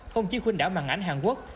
không chỉ khuyên đảo màn ảnh hàn quốc